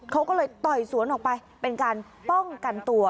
เขาก็เลยต่อยสวนออกไปเป็นการป้องกันตัว